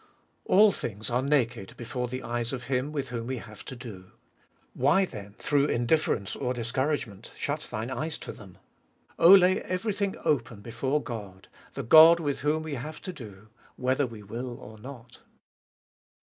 3. All things are naked before the eyes of Him with whom we have, to do. Why, then, through indifference or discouragement, shut thine eyes to them ? Oh, lay everything open before God, the God with whom we have to do, whether we will or not.